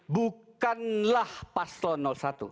bukanlah paslon satu